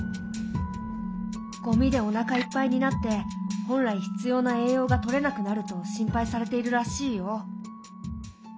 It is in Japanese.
ゴミでおなかいっぱいになって本来必要な栄養がとれなくなると心配されているらしいよ。